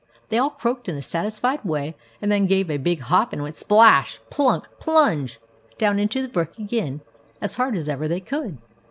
They all croaked in a satisfied way, and then gave a big hop, and went splash ! plunk ! plunge ! down into the brook again as hard as ever they could.